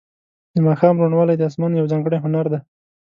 د ماښام روڼوالی د اسمان یو ځانګړی هنر دی.